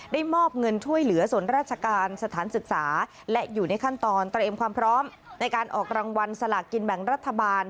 มอบเงินช่วยเหลือส่วนราชการสถานศึกษาและอยู่ในขั้นตอนเตรียมความพร้อมในการออกรางวัลสลากกินแบ่งรัฐบาล